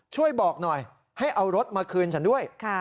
ช่วยบอกหน่อยให้เอารถมาคืนฉันด้วย